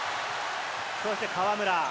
そして、河村。